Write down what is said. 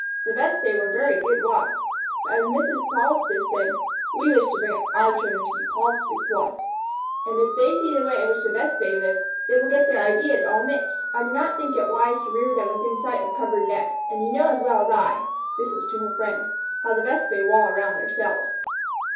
The Vespæ were very good Wasps, but, as Mrs. Polistes said, "We wish to bring our children up to be Polistes Wasps, and if they see the way in which the Vespæ live, they will get their ideas all mixed. I do not think it wise to rear them within sight of covered nests, and you know as well as I [this was to her friend] how the Vespæ wall around their cells."